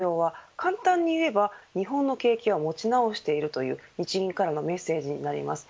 今回のさくらレポートの内容は簡単に言えば日本の景気は持ち直しているという日銀からのメッセージになります。